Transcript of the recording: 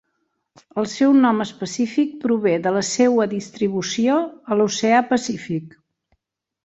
El seu nom específic prové de la seua distribució a l'oceà Pacífic.